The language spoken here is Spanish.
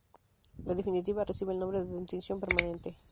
La definitiva recibe el nombre de dentición permanente.